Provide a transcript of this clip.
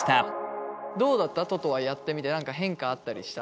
どうだった？ととはやってみて何か変化あったりした？